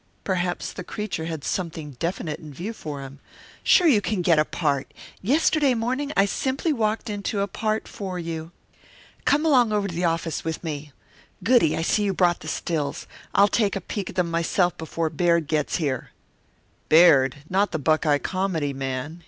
Perhaps the creature had something definite in view for him. "Sure you can get a part! Yesterday morning I simply walked into a part for you. Come along over to the office with me. Goody I see you brought the stills. I'll take a peek at 'em myself before Baird gets here." "Baird? Not the Buckeye comedy man?"